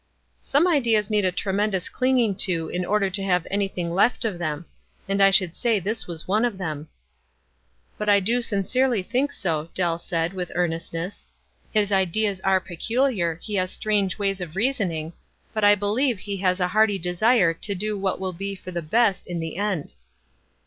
" Some ideas need a tremendous clinging to in order to have anything left of them ; and I should say this was one of them." " But I do sincerely think so," Dell said, with earnestness. "His ideas are peculiar — he has strange ways of reasoning, but I believe he has a hearty desire to do what will be for the best in the end."